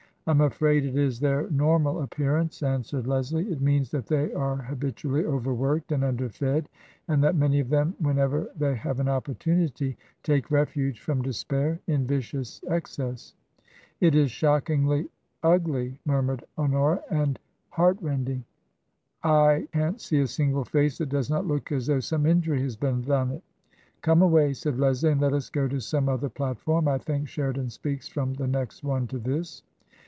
" I'm afraid it is their normal appearance," answered TRANSITION. 179 Lealie. " It means that they are habitually overworked and underfed, and that many of them whenever they have an opportunity take refuge from despair in vicious excess." " It is shockingly — ugly*' murmured Honora, " and — heartrending. I can't see a single face that does not look as though some injury had been done it." " Come away," said Leslie, " and let us go to some other platform. I think Sheridan speaks from the next one to this."